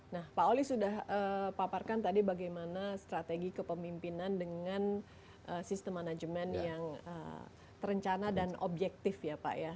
nah pak oli sudah paparkan tadi bagaimana strategi kepemimpinan dengan sistem manajemen yang terencana dan objektif ya pak ya